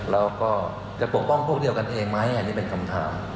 แล้วก็จะปกป้องพวกเดียวกันเองไหมอันนี้เป็นคำถาม